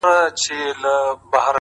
پر جبين باندې لښکري پيدا کيږي ـ